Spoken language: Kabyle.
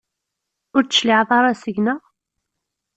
Ur d-tecliɛeḍ ara seg-neɣ?